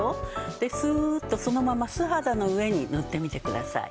でスーッとそのまま素肌の上に塗ってみてください。